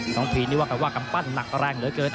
น้องพีกล้วงขั้นวาดให้ว่ากำปั้นนักแรงเหลือเกิน